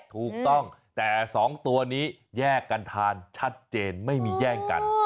ถูกต้องแต่๒ตัวนี้แยกกันทานชัดเจนไม่มีแย่งกัน